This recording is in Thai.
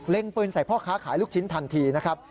ปืนใส่พ่อค้าขายลูกชิ้นทันทีนะครับ